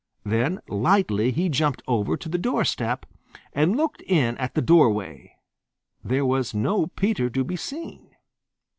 Then lightly he jumped over to the doorstep and looked in at the doorway. There was no Peter to be seen.